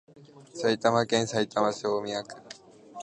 埼玉県さいたま市大宮区